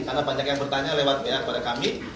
karena banyak yang bertanya lewat pr pada kami